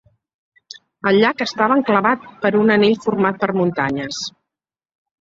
El llac estava enclavat per un anell format per muntanyes.